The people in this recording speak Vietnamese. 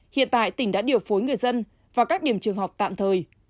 hiện tại tỉnh đã điều phối người dân vào các điểm trường học tạm thời